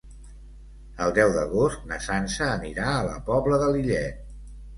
El deu d'agost na Sança anirà a la Pobla de Lillet.